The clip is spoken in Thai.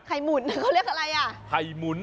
หมุนเขาเรียกอะไรอ่ะไข่หมุน